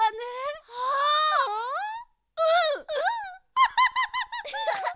アハハハハハ！